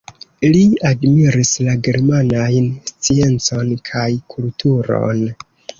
Li admiris la germanajn sciencon kaj kulturon.